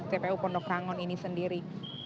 tpu pondok rangon ini sendiri